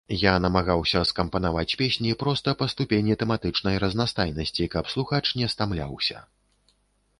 Я намагаўся скампанаваць песні проста па ступені тэматычнай разнастайнасці, каб слухач не стамляўся.